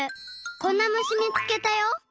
こんな虫みつけたよ！